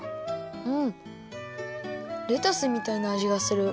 うんレタスみたいなあじがする。